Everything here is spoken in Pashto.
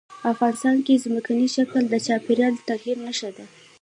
افغانستان کې ځمکنی شکل د چاپېریال د تغیر نښه ده.